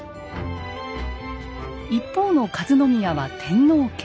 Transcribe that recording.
一方の和宮は天皇家。